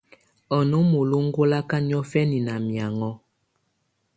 Á ná molo ɔŋgɔlaka niɔ̀fɛna ná miaŋɔ́.